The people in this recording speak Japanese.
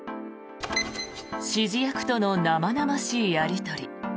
指示役との生々しいやり取り。